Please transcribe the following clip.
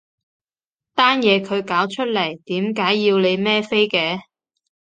單嘢佢搞出嚟，點解要你孭飛嘅？